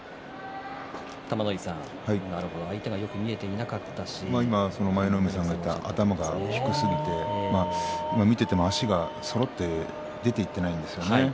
相手がよく見えていなかったし舞の海さんが言った頭が低すぎて、今見てても足がそろって出ていけないんですよね。